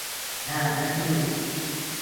হ্যাঁঁ, এক মিনিট!